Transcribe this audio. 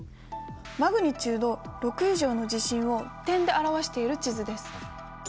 マグニチュード６以上の地震を点で表している地図です。